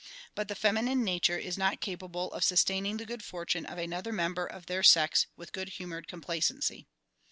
But the feminine nature is not capable of sustaining the good fortune of another member of their sex with good humoured complacency!